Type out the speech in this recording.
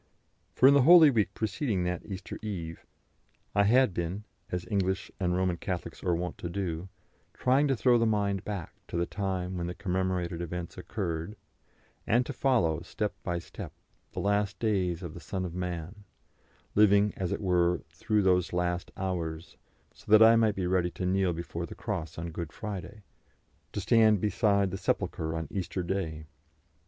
For in the Holy Week preceding that Easter Eve, I had been as English and Roman Catholics are wont to do trying to throw the mind back to the time when the commemorated events occurred, and to follow, step by step, the last days of the Son of Man, living, as it were, through those last hours, so that I might be ready to kneel before the cross on Good Friday, to stand beside the sepulchre on Easter Day.